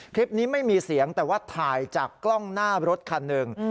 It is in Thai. คลิปนี้ไม่มีเสียงแต่ว่าถ่ายจากกล้องหน้ารถคันหนึ่ง